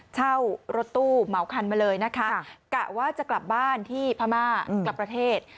เช่ารถตู้เหมาคันมาเลยนะคะกะว่าจะกลับบ้านที่พม่ากลับประเทศ